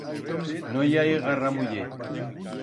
No i hai garra muller.